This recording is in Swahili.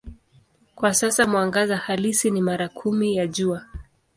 Kwa sasa mwangaza halisi ni mara kumi ya Jua.